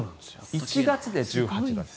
１月で１８度ですよ。